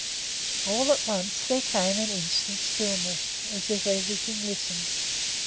All at once there came an instant's stillness, as if everything listened.